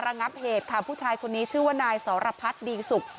ระงับเหตุค่ะผู้ชายคนนี้ชื่อว่านายสรพัฒน์ดีสุข